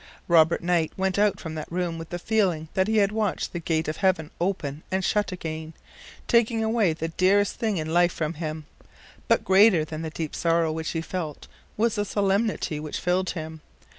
Robert Knight went out from that room with the feeling that he had watched the gate of heaven open and shut again, taking away the dearest thing in life from him ; but greater than the deep sorrow which he felt was the solemnity which filled him.